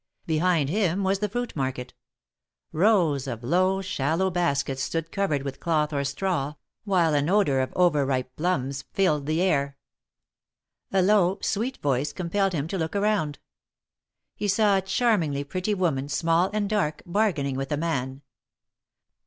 Behind him was the fruit market — ^rows of low, shallow THE MARKETS OF PARIS. 37 baskets stood covered with cloth or straw, while an odor of over ripe plums filled the air. A low, sweet voice compelled him to look around. He saw a charmingly pretty woman, small and dark, bargaining with a man.